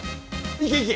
行け行け！